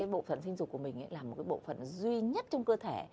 bộ phận sinh dục của mình là một bộ phận duy nhất trong cơ thể